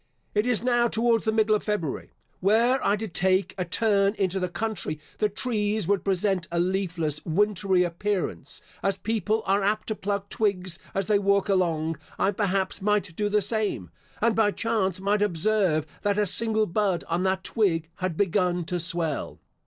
It is now towards the middle of February. Were I to take a turn into the country, the trees would present a leafless, wintery appearance. As people are apt to pluck twigs as they walk along, I perhaps might do the same, and by chance might observe, that a single bud on that twig had begun to swell.